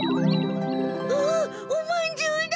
うわおまんじゅうだ！